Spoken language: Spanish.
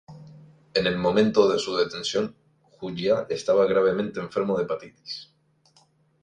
En el momento de su detención, Hu Jia estaba gravemente enfermo de hepatitis.